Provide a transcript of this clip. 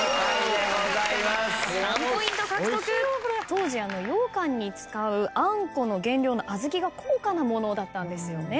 当時ようかんに使うあんこの原料のあずきが高価なものだったんですよね。